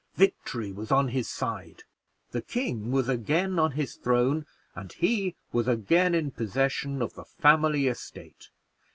Victory was on his side. The king was again on his throne, and he was again in possession of the family estate.